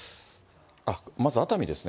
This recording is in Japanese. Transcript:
まず、熱海ですね。